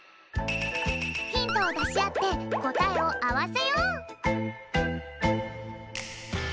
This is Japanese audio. ヒントをだしあってこたえをあわせよう。